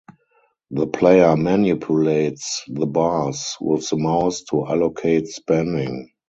The player manipulates the bars with the mouse to allocate spending.